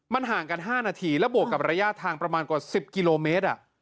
มันห่างกัน๕นาทีแล้วบวกกับระยะทางประมาณกว่า๑๐กิโลเมตร